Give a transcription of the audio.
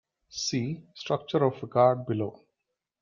See "structure of a card" below.